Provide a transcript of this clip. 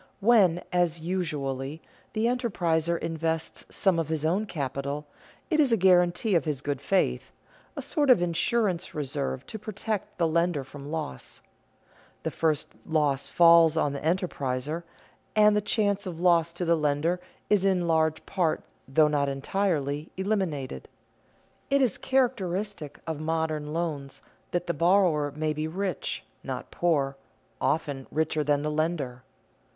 When, as usually, the enterpriser invests some of his own capital, it is a guarantee of his good faith, a sort of insurance reserve to protect the lender from loss. The first loss falls on the enterpriser, and the chance of loss to the lender is in large part, though not entirely, eliminated. It is characteristic of modern loans that the borrower may be rich, not poor, often richer than the lender.